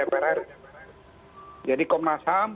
prri jadi komnas ham